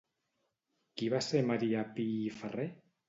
Qui va ser Maria Pi i Ferrer?